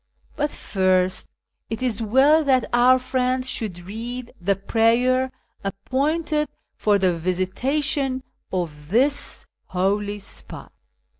But first it is well that our friend should read the prayer appointed for the visita tion of this holy spot."